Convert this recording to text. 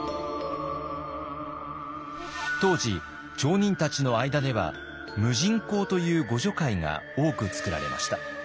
当時町人たちの間では無尽講という互助会が多く作られました。